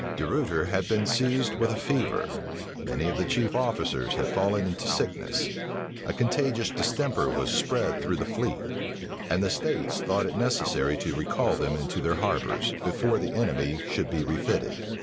De Ruyter had been seized with a fever: many of the chief officers had fallen into sickness: a contagious distemper was spread through the fleet: and the states thought it necessary to recall them into their harbors, before the enemy should be refitted.